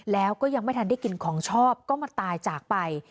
แล้วก็ยังไม่ทันได้กินของชอบก็มาตายจากไป